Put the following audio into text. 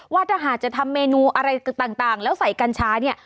ว่าถ้าหากจะทำเมนูอะไรต่างแล้วใส่กัญชาเนี่ย